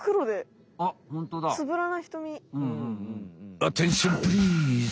アテンションプリーズ。